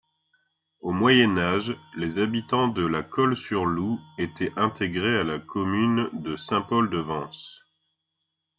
Au Moyen Âge les habitants de La-Colle-sur-Loup étaient intégrés à la commune de Saint-Paul-de-Vence.